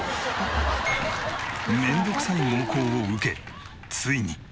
面倒くさい猛攻を受けついに。